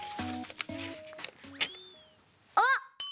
あっ！